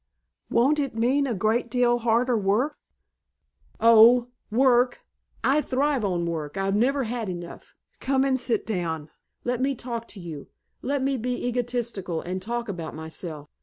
"Won't it mean a great deal harder work?" "Oh, work! I thrive on work. I've never had enough. Come and sit down. Let me talk to you. Let me be egotistical and talk about myself.